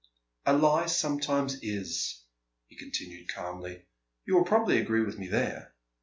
"A lie sometimes is," he continued calmly. "You will probably agree with me there."